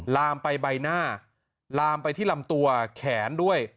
ลามไปใบหน้าลามไปที่ลำตัวแขนด้วย